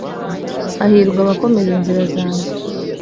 hahirwa abakomeza inzira zanjye .